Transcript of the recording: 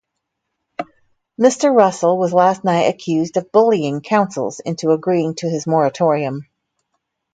"Mr Russell was last night accused of "bullying" councils into agreeing to his moratorium.